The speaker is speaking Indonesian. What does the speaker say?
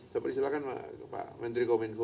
saya persilakan pak menteri komenko